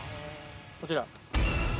こちら。